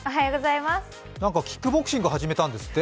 なんかキックボクシング始めたんですって？